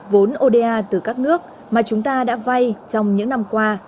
vốn oda từ các nước mà chúng ta đã vay trong những năm qua